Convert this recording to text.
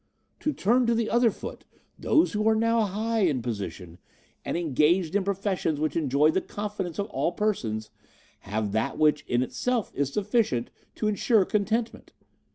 To turn to the other foot, those who are now high in position, and engaged in professions which enjoy the confidence of all persons, have that which in itself is sufficient to insure contentment.